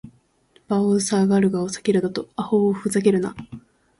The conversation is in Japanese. バオウ・ザケルガを避けるだと！アホウ・フザケルナ！